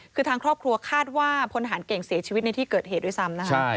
คือทางครอบครัวคาดว่าพลทหารเก่งเสียชีวิตในที่เกิดเหตุด้วยซ้ำนะคะ